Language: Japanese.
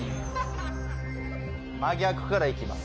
真逆からいきます